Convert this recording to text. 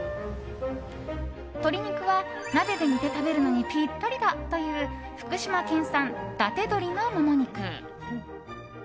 鶏肉は鍋で煮て食べるのにぴったりだという福島県産、伊達鶏のモモ肉。